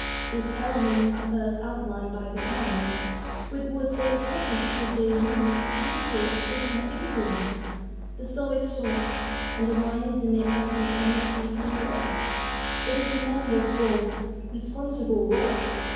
These elements are first outlined by the parents. With what delicacy should they use the pencil of personal influence! The soul is soft, and the lines they make are deep and not easily erased. It is a man they form. Responsible work!